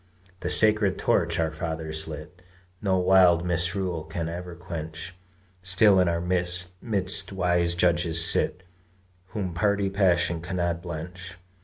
The sacred torch our fathers lit No wild misrule can ever quench; Still in our midst wise judges sit, Whom party passion cannot blench.